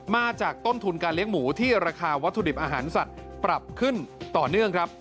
มาจากต้นทุนการเลี้ยงหมูที่ราคาวัตถุดิบอาหารสัตว์ปรับขึ้นต่อเนื่องครับ